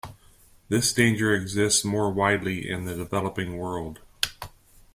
This danger exists more widely in the developing world.